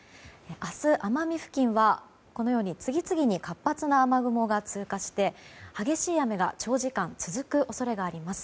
明日、奄美付近は次々に活発な雨雲が通過して、激しい雨が長時間続く恐れがあります。